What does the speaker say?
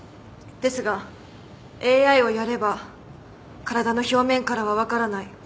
ですがＡｉをやれば体の表面からは分からない